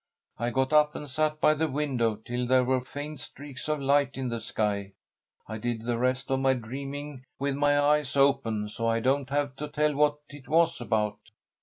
I got up and sat by the window till there were faint streaks of light in the sky. I did the rest of my dreaming with my eyes open, so I don't have to tell what it was about."